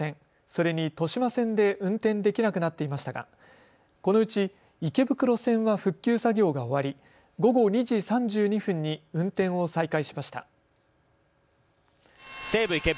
それに、豊島線で運転できなくなっていましたがこのうち池袋線は復旧作業が終わり午後２時３２分に運転を再開しました。